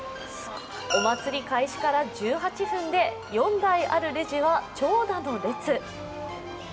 お祭り開始から１８分で４台あるレジは長蛇の列。